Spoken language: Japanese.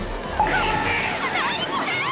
・風⁉・・何これ！